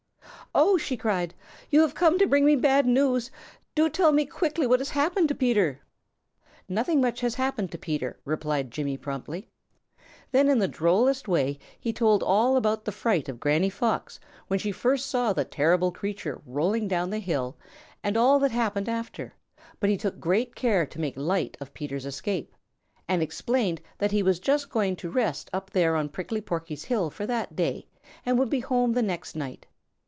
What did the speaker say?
"Oh!" she cried, "you have come to bring me bad news. Do tell me quickly what has happened to Peter!" "Nothing much has happened to Peter," replied Jimmy promptly. Then in the drollest way he told all about the fright of Granny Fox when she first saw the terrible creature rolling down the hill and all that happened after, but he took great care to make light of Peter's escape, and explained that he was just going to rest up there on Prickly Porky's hill for that day and would be home the next night.